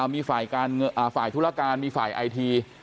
มีฝ่ายธุรการมีฝ่ายไอที